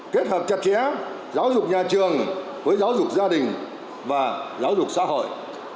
kết hợp chặt chẽ giáo dục nhà trường với giáo dục gia đình và giáo dục xã hội